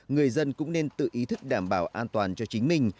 người dân cũng nên tự ý thức đảm bảo an toàn cho chính mình